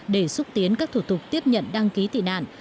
để xúc tiến các thủ tục tiếp nhận đăng ký tị nạn